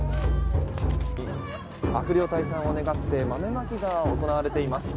悪霊退散を願って豆まきが行われています。